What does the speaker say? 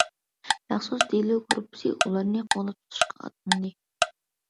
مەخسۇس دېلو گۇرۇپپىسى ئۇلارنى قوغلاپ تۇتۇشقا ئاتلاندى.